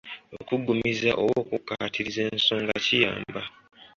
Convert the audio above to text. Okuggumiza oba okukkaatiriza ensonga kiyamba.